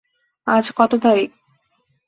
আজ কত তারিখ?